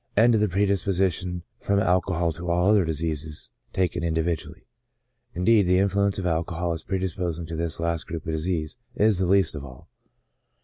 and to the predisposition from alcohol to all other diseases taken individually. Indeed, the influence of alcohol, as predisposing to this last group of disease, is the least of all.